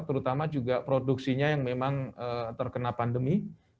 terutama juga produksinya yang memang terkena pandemi